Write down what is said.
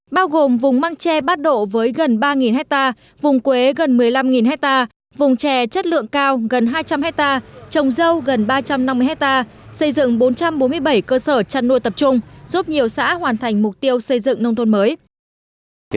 bao gồm vùng măng tre bát độ với gần ba hectare vùng quế gần một mươi năm hectare vùng chè chất lượng cao gần hai trăm linh hectare trồng dâu gần ba trăm năm mươi hectare xây dựng bốn trăm bốn mươi bảy cơ sở chăn nuôi tập trung giúp nhiều xã hoàn thành mục tiêu xây dựng nông thôn mới